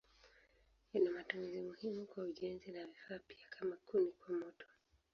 Ina matumizi muhimu kwa ujenzi na vifaa pia kama kuni kwa moto.